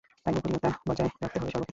তাই, গোপনীয়তা বজায় রাখতে হবে সর্বক্ষেত্রে!